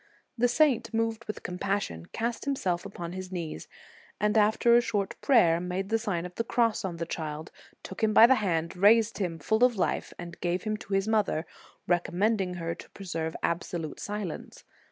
The saint, moved with compassion, cast him self on his knees, and after a short prayer made the Sign of the Cross on the child, took him by the hand, raised him full of life, and gave him to his mother, recommending her to preserve absolute silence.